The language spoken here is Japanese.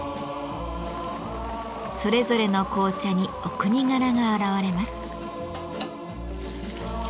それぞれの紅茶にお国柄が表れます。